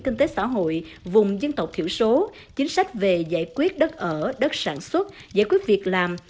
kinh tế xã hội vùng dân tộc thiểu số chính sách về giải quyết đất ở đất sản xuất giải quyết việc làm